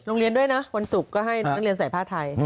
โรงเรียนด้วยนะวันศุกร์ก็ให้นักเรียนใส่ผ้าไทย